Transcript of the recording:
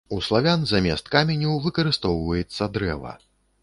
У славян замест каменю выкарыстоўваецца дрэва.